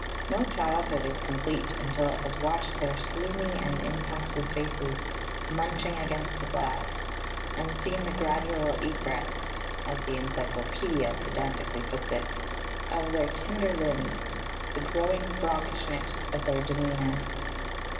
No childhood is complete until it has watched their sloomy and impassive faces munching against the glass, and seen the gradual egress (as the encyclopædia pedantically puts it) of their tender limbs, the growing froggishness of their demeanour.